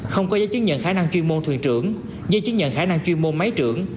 không có giấy chứng nhận khả năng chuyên môn thuyền trưởng giấy chứng nhận khả năng chuyên môn máy trưởng